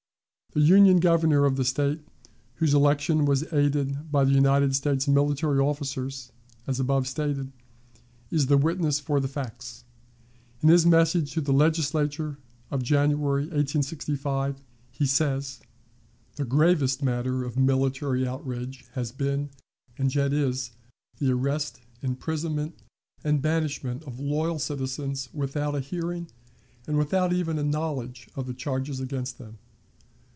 The Union Governor of the State, whose election was aided by the United States military officers, as above stated, is the witness for the facts. In his message to the Legislature of January, 1865, he says: "The gravest matter of military outrage has been, and yet is, the arrest, imprisonment, and banishment of loyal citizens without a hearing, and without even a knowledge of the charges against them.